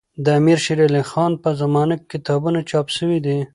د امير شېر علي خان په زمانه کي کتابونه چاپ سوي دي.